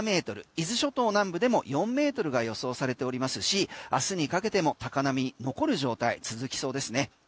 伊豆諸島南部でも４ｍが予想されておりますし明日にかけても高波残る状態続きそうですね。